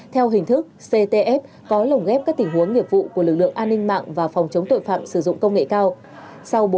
theo hình thức ctf có lồng ghép các tình huống nghiệp vụ của lực lượng an ninh mạng và phòng chống tội phạm sử dụng công nghệ cao